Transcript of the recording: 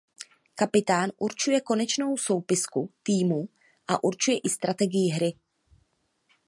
Kapitán určuje konečnou soupisku týmů a určuje i strategii hry.